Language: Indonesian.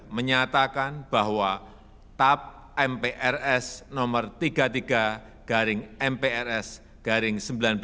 menyatakan bahwa tap mprs nomor tiga puluh tiga garing mprs garing seribu sembilan ratus sembilan puluh